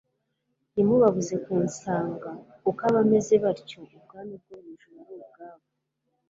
ntimubabuze kunsanga; kuko abameze batyo ubwami bwo mu ijuru ari ubwabo."